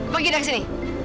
pergi dari sini